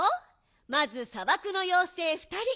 まずさばくのようせいふたり。